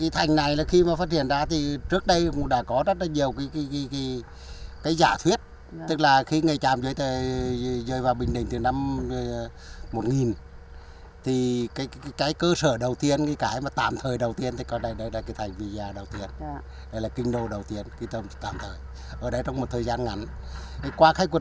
thông tin này đã được các nhà nghiên cứu lịch sử chú ý